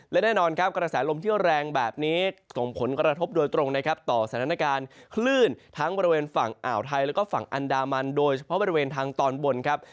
และแน่นอนครับกระแสลมที่แรงแบบนี้ส่งผลกระทบโดยตรงนะครับต่อสถานการณ์คลื่นทั้งบริเวณฝั่งอ่าวไทยแล้วก็ฝั่งอันดามันโดยเฉพาะบริเวณทางตอนบนครับ